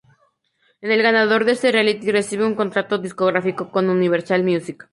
El ganador de este "reality" recibe un contrato discográfico con Universal Music.